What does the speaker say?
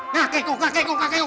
nah kecoh kecoh kecoh